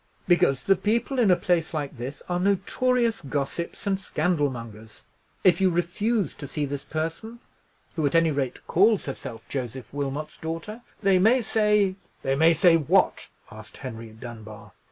"Because the people in a place like this are notorious gossips and scandal mongers. If you refuse to see this person, who, at any rate, calls herself Joseph Wilmot's daughter, they may say——" "They may say what?" asked Henry Dunbar.